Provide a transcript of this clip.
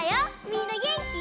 みんなげんき？